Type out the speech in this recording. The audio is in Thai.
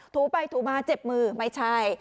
ถูไปถูมาเจ็บมือไม่ใช่